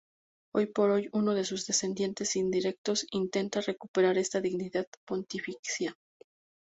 Hoy por hoy uno de sus descendientes indirectos intenta recuperar esta dignidad pontificia.